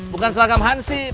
bukan seragam hansip